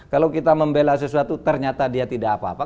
kalau kita membela sesuatu ternyata dia tidak apa apa